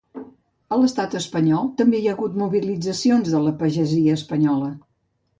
A l’estat espanyol també hi ha hagut mobilitzacions de la pagesia espanyola.